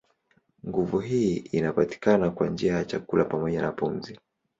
Nguvu hii inapatikana kwa njia ya chakula pamoja na pumzi.